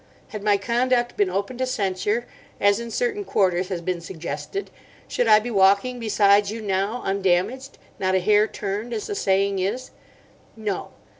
Had my conduct been open to censure—as in certain quarters has been suggested—should I be walking besides you now, undamaged—not a hair turned, as the saying is? No.